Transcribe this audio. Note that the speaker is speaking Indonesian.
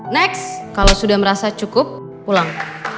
next kalau sudah merasa cukup pulang